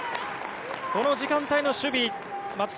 この時間帯の守備